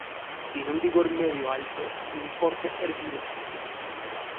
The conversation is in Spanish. Tiene un vigor medio-alto y un porte erguido.